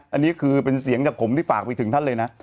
อันนี้คือเป็นเสียงจากผมที่ฝากไปถึงท่านเลยนะ